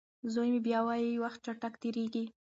زوی مې بیا وايي وخت چټک تېریږي.